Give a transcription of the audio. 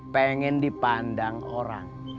pengen dipandang orang